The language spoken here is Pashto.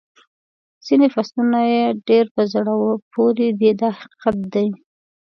ځینې فصلونه یې ډېر په زړه پورې دي دا حقیقت دی.